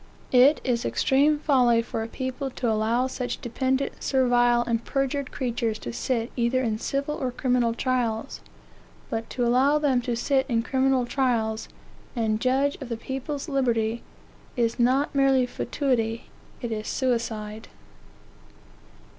It is extreme folly for a people to allow such dependent, servile, and perjured creatures to sit either in civil or criminal trials; but to allow them to sit in criminal trials, and judge of the people's liberties, is not merely fatuity, it is suicide.